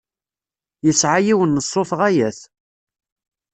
Yesɛa yiwen n ṣṣut ɣaya-t.